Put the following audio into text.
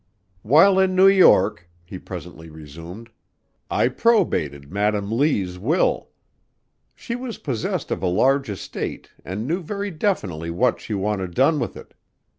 "While in New York," he presently resumed, "I probated Madam Lee's will. She was possessed of a large estate and knew very definitely what she wanted done with it.